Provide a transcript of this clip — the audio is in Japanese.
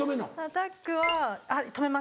アタックは止めます。